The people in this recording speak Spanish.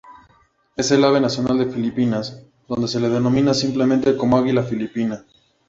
Es el ave nacional de Filipinas, donde se le denomina simplemente como águila filipina.